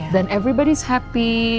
dan semua orang senang